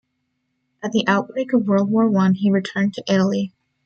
At the outbreak of World War One, he returned to Italy.